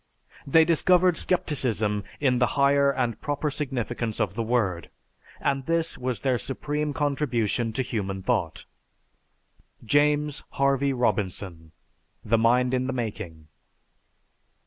"They discovered skepticism in the higher and proper significance of the word, and this was their supreme contribution to human thought." (_James Harvey Robinson: "The Mind In The Making."